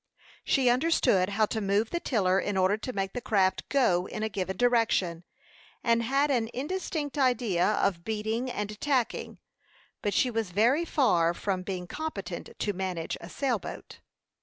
She understood how to move the tiller in order to make the craft go in a given direction, and had an indistinct idea of beating and tacking; but she was very far from being competent to manage a sailboat.